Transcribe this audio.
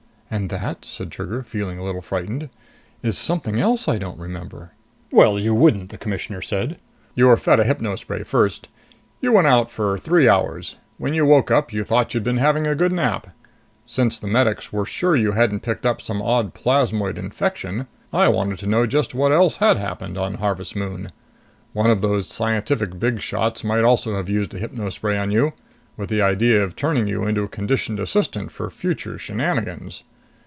"And that," said Trigger, feeling a little frightened, "is something else I don't remember!" "Well, you wouldn't," the Commissioner said. "You were fed a hypno spray first. You went out for three hours. When you woke up, you thought you'd been having a good nap. Since the medics were sure you hadn't picked up some odd plasmoid infection, I wanted to know just what else had happened on Harvest Moon. One of those scientific big shots might also have used a hypno spray on you, with the idea of turning you into a conditioned assistant for future shenanigans."